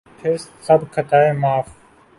پھر سب خطائیں معاف۔